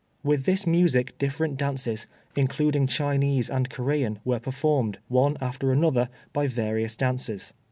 With this music different dances, including Chinese and Corean, were performed, one after another, by various dancers.